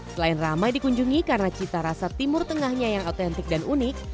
selain ramai dikunjungi karena cita rasa timur tengahnya yang otentik dan unik